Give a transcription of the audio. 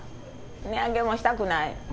値上げはしたくない。